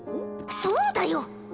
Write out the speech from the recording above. そうだよ！